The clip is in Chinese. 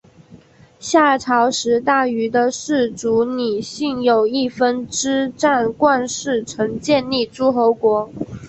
夏朝时大禹的氏族姒姓有一分支斟灌氏曾建立诸侯国。